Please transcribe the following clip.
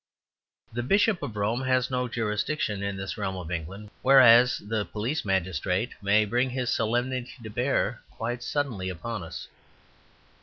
The Bishop of Rome has no jurisdiction in this realm of England; whereas the police magistrate may bring his solemnity to bear quite suddenly upon us.